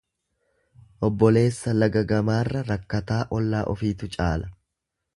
Obboleessa laga gamaarra, rakkataa ollaa ofiitu caala.